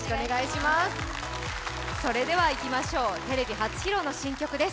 それではいきましょうテレビ初披露の新曲です。